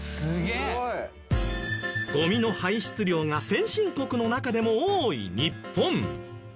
すごい！ゴミの排出量が先進国の中でも多い日本。